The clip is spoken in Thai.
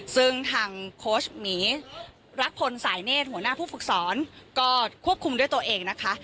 ซึ่งทางโค้ชหมีรักพลสายเนธหัวหน้าผู้ฝึกสอนก็ควบคุมด้วยตัวเองนะคะ